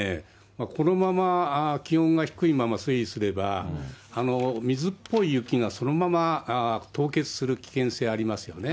このまま気温が低いまま推移すれば、水っぽい雪がそのまま凍結する危険性ありますよね。